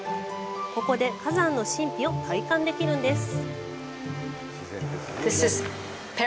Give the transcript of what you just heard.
ここで、火山の神秘を体感できるんです。